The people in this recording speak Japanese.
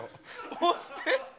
押して！